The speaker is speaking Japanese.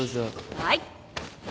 はい。